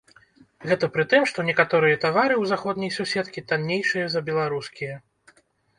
Гэта пры тым, што некаторыя тавары ў заходняй суседкі таннейшыя за беларускія.